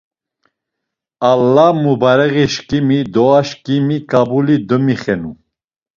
Alla mubareğişǩimi doaşǩimi ǩabuli domixenu.